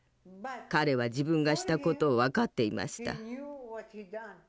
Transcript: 彼は自分がした事を分かっていました。